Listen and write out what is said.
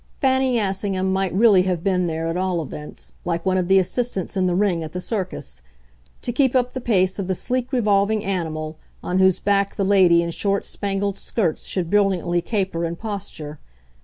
Fanny Assingham might really have been there, at all events, like one of the assistants in the ring at the circus, to keep up the pace of the sleek revolving animal on whose back the lady in short spangled skirts should brilliantly caper and posture.